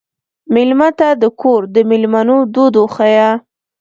مېلمه ته د کور د مېلمنو دود وښیه.